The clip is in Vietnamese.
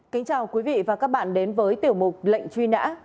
kính chào quý vị và các bạn đến với tiểu mục lệnh truy nã